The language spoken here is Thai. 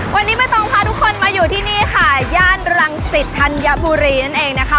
วันนี้ไม่ต้องพาทุกคนมาอยู่ที่นี่ค่ะย่านรังสิตธัญบุรีนั่นเองนะคะ